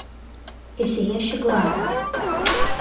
Es iešu glābt!